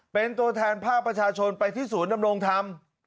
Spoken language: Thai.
เป็นตัวแทนภาคประชาชนไปที่ศูนย์ดำรงธรรม